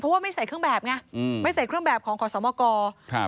เพราะว่าไม่ใส่เครื่องแบบไงอืมไม่ใส่เครื่องแบบของขอสมกรครับ